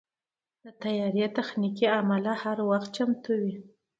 د طیارې تخنیکي عمله هر وخت چمتو وي.